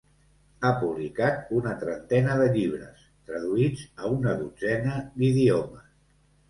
Ha publicat una trentena de llibres, traduïts a una dotzena d'idiomes.